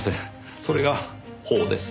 それが法です。